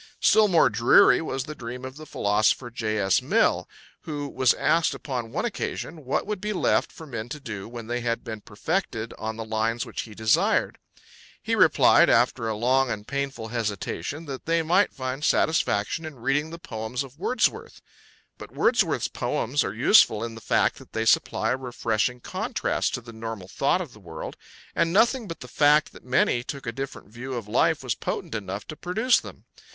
Still more dreary was the dream of the philosopher J. S. Mill, who was asked upon one occasion what would be left for men to do when they had been perfected on the lines which he desired. He replied, after a long and painful hesitation, that they might find satisfaction in reading the poems of Wordsworth. But Wordsworth's poems are useful in the fact that they supply a refreshing contrast to the normal thought of the world, and nothing but the fact that many took a different view of life was potent enough to produce them.